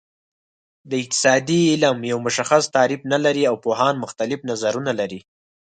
د اقتصاد علم یو مشخص تعریف نلري او پوهان مختلف نظرونه لري